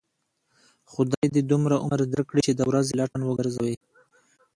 خدای دې دومره عمر در کړي، چې د ورځې لټن و گرځوې.